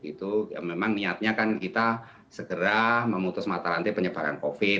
itu memang niatnya kan kita segera memutus mata rantai penyebaran covid